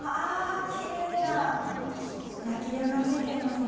キレイな焼き色がついていますね。